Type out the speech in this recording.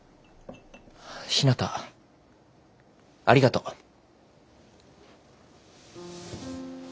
ありがとう。